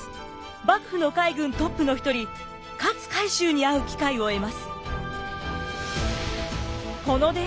幕府の海軍トップの一人勝海舟に会う機会を得ます。